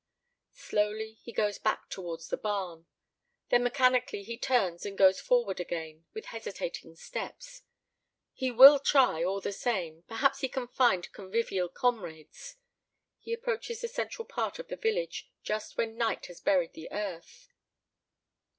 Slowly he goes back towards the barn. Then mechanically he turns and goes forward again, with hesitating steps. He will try, all the same. Perhaps he can find convivial comrades. He approaches the central part of the village just when night has buried the earth.